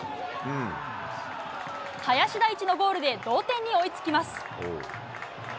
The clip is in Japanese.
林大地のゴールで同点に追いつきます。